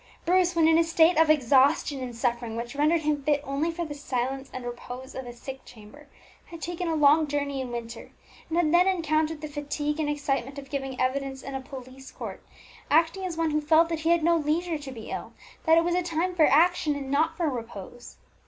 Bruce, when in a state of exhaustion and suffering which rendered him fit only for the silence and repose of a sick chamber, had taken a long journey in winter, and had then encountered the fatigue and excitement of giving evidence in a police court, acting as one who felt that he had no leisure to be ill, that it was a time for action and not for repose.